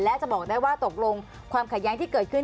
และจะบอกได้ว่าตกลงความขัดแย้งที่เกิดขึ้น